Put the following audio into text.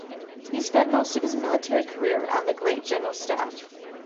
He spent most of his military career on the Great General Staff.